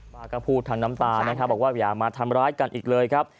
ป้าก็พูดทั้งน้ำตานะครับบอกว่าอย่ามาทำร้ายกันอีกเลยครับ